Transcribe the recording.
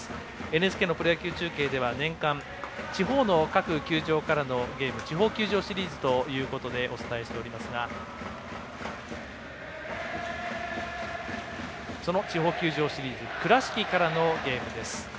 ＮＨＫのプロ野球中継では年間、地方の各球場からのゲーム地方球場シリーズということでお伝えしていますがその地方球場シリーズ倉敷からのゲームです。